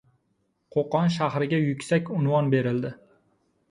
Qo‘qon shahriga yuksak unvon berildi